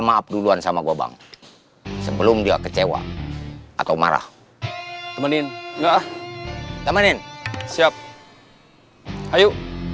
maaf duluan sama gobang sebelum dia kecewa atau marah temenin enggak temenin siap ayo